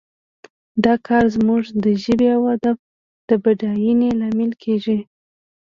دا کار زموږ د ژبې او ادب د بډاینې لامل کیږي